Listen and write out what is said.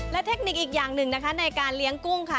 และเทคนิคอีกอย่างหนึ่งนะคะในการเลี้ยงกุ้งค่ะ